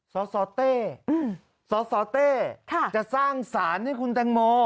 สสเต้สสเต้จะสร้างสารให้คุณแตงโม